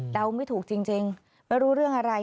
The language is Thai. ไม่ถูกจริงไม่รู้เรื่องอะไร